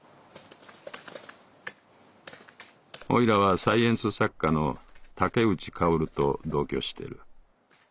「おいらはサイエンス作家の竹内薫と同居してる。